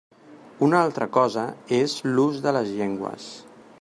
Una altra cosa és l'ús de les llengües.